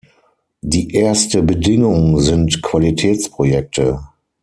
Die erste Bedingung sind Qualitätsprojekte.